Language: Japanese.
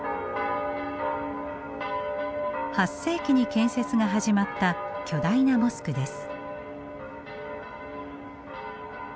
８世紀に建設が始まった巨大なモスクです。